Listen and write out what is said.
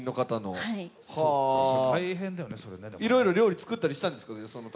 いろいろ料理作ったりしたんですか？